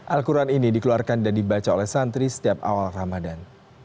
al quran ini dikeluarkan dan dibaca oleh santri setiap awal ramadan